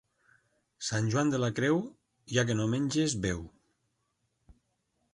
Sant Joan de la Creu, ja que no menges, beu.